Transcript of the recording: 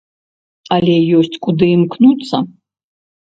Але ёсць куды імкнуцца.